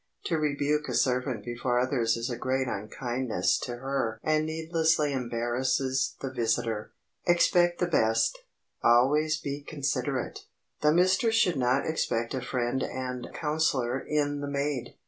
To rebuke a servant before others is a great unkindness to her and needlessly embarrasses the visitor. [Sidenote: EXPECT THE BEST] [Sidenote: ALWAYS BE CONSIDERATE] The mistress should not expect a friend and counselor in the maid.